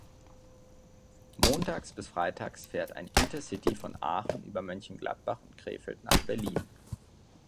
Montags bis Freitags fährt ein Intercity von Aachen über Mönchengladbach und Krefeld nach Berlin.